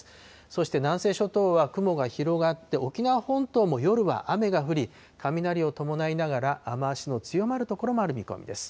そして南西諸島は雲が広がって、沖縄本島も夜は雨が降り、雷を伴いながら雨足の強まる所もある見込みです。